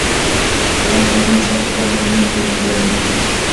د ایران پوځي مشران په خپلو منځونو کې په جنجال وو.